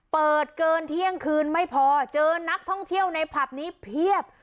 เปิดเกินเที่ยงคืนไม่พอเจอนักท่องเที่ยวในผับนี้เพียบ